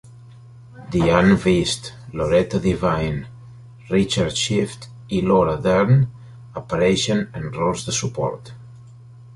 Dianne Wiest, Loretta Devine, Richard Schiff i Laura Dern apareixen en rols de suport.